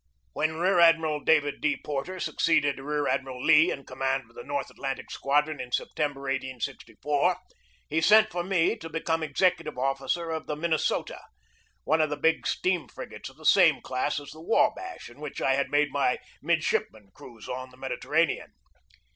When Rear Admiral David D. Porter succeeded Rear Admiral Lee in command of the North Atlantic Squadron in September, 1864, he sent for me to be 120 GEORGE DEWEY come executive officer of the Minnesota, one of the big steam frigates of the same class as the Wabash in which I had made my midshipman cruise on the Mediterranean.